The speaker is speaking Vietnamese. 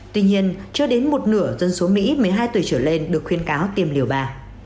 tuy nhiên chưa đến một nửa dân số mỹ một mươi hai tuổi trở lên được khuyên cáo tìm liều ba